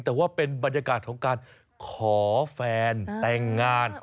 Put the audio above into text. แต่ว่าเป็นบรรยากาศของการขอแฟนแต่งงาน